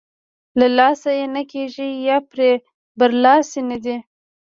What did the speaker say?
له لاسه یې نه کېږي یا پرې برلاسۍ نه دی.